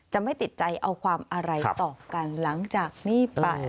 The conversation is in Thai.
ไม่ติดใจเอาความอะไรต่อกันหลังจากนี้ไป